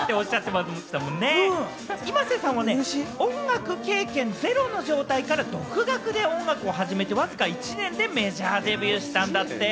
ｉｍａｓｅさんは音楽経験ゼロの状態から独学で音楽を勉強されて、メジャーデビューされたんだって。